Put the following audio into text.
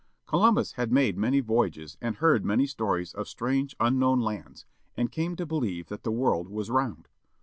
Columbus had made many voyages and heard many stories of strange unknown lands and came to believe that the world was round.